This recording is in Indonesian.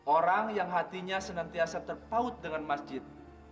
orang yang hatinya senantiasa terpaut dengan masjid